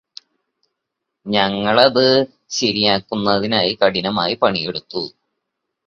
ഞങ്ങള് അത് ശരിയാക്കുന്നതിനായി കഠിനമായി പണിയെടുത്തു